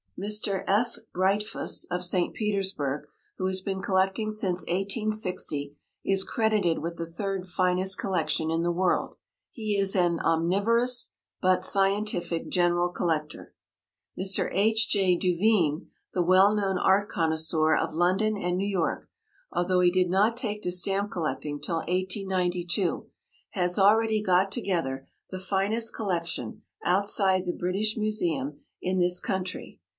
Mr. F. Breitfuss, of St. Petersburg, who has been collecting since 1860, is credited with the third finest collection in the world. He is an omnivorous, but scientific general collector. Mr. H. J. Duveen, the well known art connoisseur of London and New York, although he did not take to stamp collecting till 1892, has already got together the finest collection, outside the British Museum, in this country.